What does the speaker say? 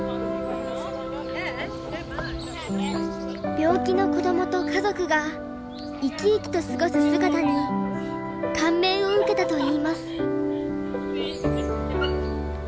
病気の子どもと家族が生き生きと過ごす姿に感銘を受けたといいます。